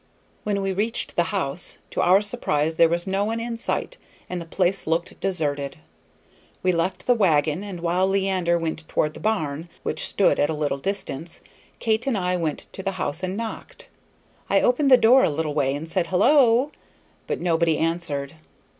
When we reached the house, to our surprise there was no one in sight and the place looked deserted. We left the wagon, and while Leander went toward the barn, which stood at a little distance, Kate and I went to the house and knocked. I opened the door a little way and said "Hallo!" but nobody answered.